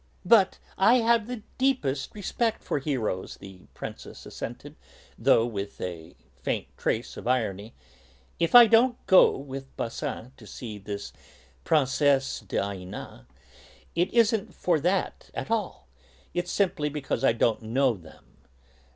"But I have the deepest respect for heroes," the Princess assented, though with a faint trace of irony. "If I don't go with Basin to see this Princesse d'Iéna, it isn't for that, at all; it's simply because I don't know them.